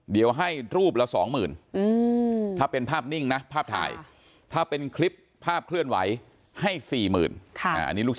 เดี๋ยวให้รูปละสองหมื่น